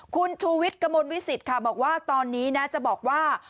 คุณชูวิทย์กระมวลวิสิตค่ะบอกว่าตอนนี้นะจะบอกว่า